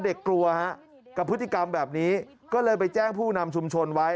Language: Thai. กลัวฮะกับพฤติกรรมแบบนี้ก็เลยไปแจ้งผู้นำชุมชนไว้